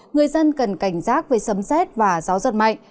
người dân cần cảnh giác với sấm xét và gió giật mạnh